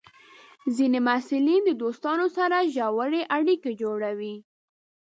ځینې محصلین د دوستانو سره ژورې اړیکې جوړوي.